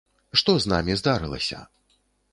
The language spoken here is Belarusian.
Што з намі здарылася?